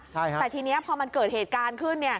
แต่ทีนี้พอมันเกิดเหตุการณ์ขึ้น